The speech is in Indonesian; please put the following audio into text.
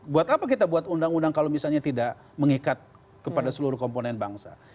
buat apa kita buat undang undang kalau misalnya tidak mengikat kepada seluruh komponen bangsa